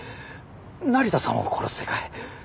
成田さんを殺す世界。